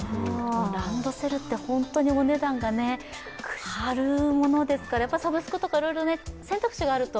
ランドセルって本当にお値段が張るものですからサブスクとか、いろいろ選択肢があると。